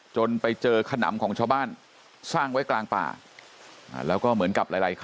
จนไปเจอขนำของชาวบ้านสร้างไว้กลางป่า